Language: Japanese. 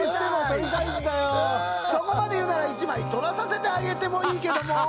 そこまでいうなら１まいとらさせてあげてもいいけども。